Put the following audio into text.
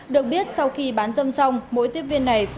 được biết sau khi bán dâm xong mỗi tiếp viên này